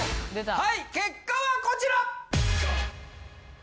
はい結果はこちら！